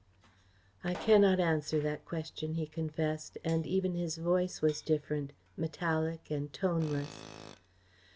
"I cannot answer that question," he confessed, and even his voice was different, metallic and toneless.